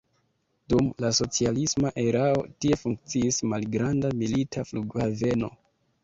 Dum la socialisma erao tie funkciis malgranda milita flughaveno.